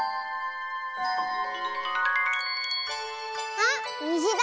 あっにじだ！